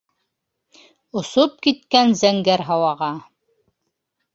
Осоп киткән зәңгәр һауаға.